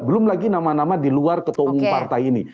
belum lagi nama nama di luar ketuung partai ini